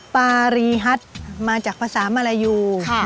ปารีฮัทมาจากภาษามารยู